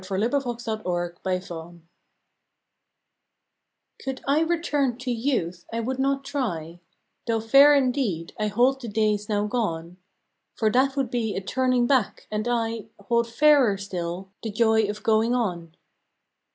November Nineteenth THE TRUER JOY I return to Youth I would not try, Tho fair indeed I hold the days now gone, For that would be a turning back, and I Hold fairer still the joy of going on.